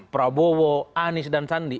prabowo anies dan sandi